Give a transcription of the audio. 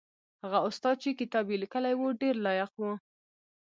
هغه استاد چې کتاب یې لیکلی و ډېر لایق و.